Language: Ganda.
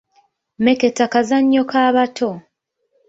Mmeketa kazannyo ka bato